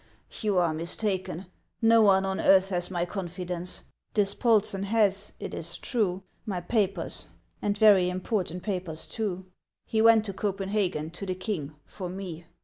" You are mistaken. No one on earth has my confidence. Dis polsen has, it is true, my papers, and very important papers too. He went to Copenhagen, to the king, for me.